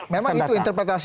memang itu interpretasi